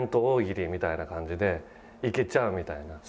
大喜利みたいな感じでいけちゃうみたいな。